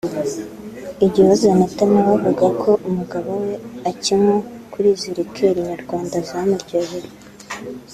Igihozo Anita na we avuga ko umugabo we akinywa kuri izi likeri Nyarwanda zamuryoheye